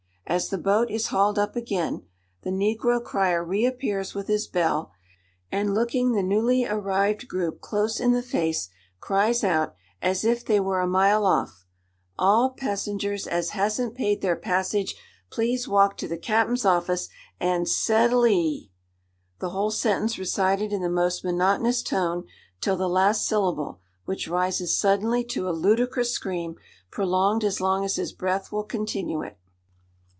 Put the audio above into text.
As the boat is hauled up again, the negro crier reappears with his bell, and, looking the newly arrived group close in the face, cries out, as if they were a mile off, "All pas'ng'rs as hasn't paid their passage, please walk to the cap'n's office and settLE E E!!"—the whole sentence recited in the most monotonous tone till the last syllable, which rises suddenly to a ludicrous scream, prolonged as long as his breath will continue it.